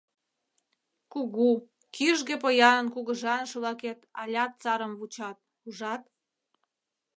Кугу, кӱжгӧ поянын кугыжаныш-влакет алят сарым вучат, ужат.